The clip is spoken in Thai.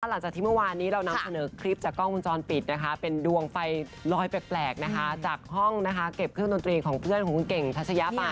หลังจากที่เมื่อวานนี้เรานำเสนอคลิปจากกล้องวงจรปิดนะคะเป็นดวงไฟลอยแปลกนะคะจากห้องนะคะเก็บเครื่องดนตรีของเพื่อนของคุณเก่งทัชยะไป